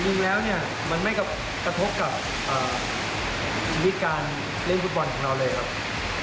จริงแล้วเนี่ยมันไม่กระทบกับวิธีการเล่นฟุตบอลของเราเลยครับ